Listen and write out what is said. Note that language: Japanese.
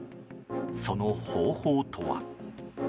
その方法とは？